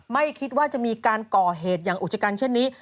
ไม่ถือว่าจะมีการก่อเหตุอย่างอุ๖ชนชนิดนี้